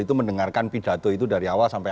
itu mendengarkan pidato itu dari awal sampai